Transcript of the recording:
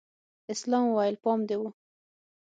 اسلام وويل پام دې و.